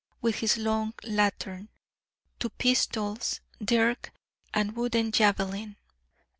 with his long lantern, two pistols, dirk, and wooden javelin.